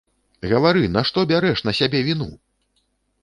Гавары, нашто бярэш на сябе віну?!